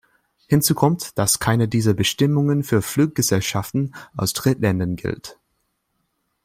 Hinzu kommt, dass keine dieser Bestimmungen für Fluggesellschaften aus Drittländern gilt.